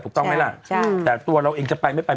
ถูกต้องไหมล่ะใช่แต่ตัวเราเองจะไปไม่ไป